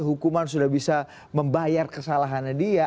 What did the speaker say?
hukuman sudah bisa membayar kesalahannya dia